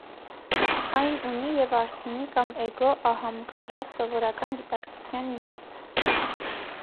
Այն ունի և արթմնի կամ էգո (ահամկարա) սովորական գիտակցության իմաստ։